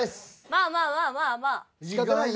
まあまあまあまあまあ。